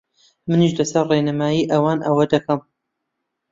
منیش لەسەر ڕێنمایی ئەوان ئەوە دەکەم